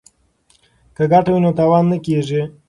که ګټه وي نو تاوان نه کیږي.